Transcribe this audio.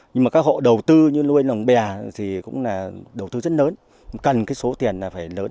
nhưng mà các hộ đầu tư như nuôi lồng bè thì cũng là đầu tư rất lớn cần cái số tiền là phải lớn